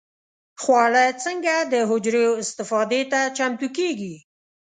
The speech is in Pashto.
خواړه څنګه د حجرو استفادې ته چمتو کېږي؟